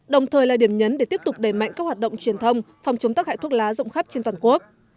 đồng thời là điểm nhấn để tiếp tục đẩy mạnh các hoạt động truyền thông phòng chống tắc hại thuốc lá rộng khắp trên toàn quốc